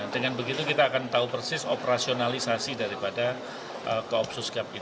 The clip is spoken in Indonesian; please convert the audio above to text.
dengan begitu kita akan tahu persis operasionalisasi daripada kopsus gab